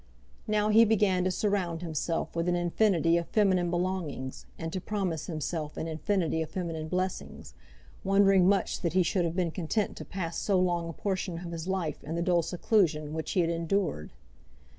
Now he began to surround himself with an infinity of feminine belongings, and to promise himself an infinity of feminine blessings, wondering much that he should have been content to pass so long a portion of his life in the dull seclusion which he had endured.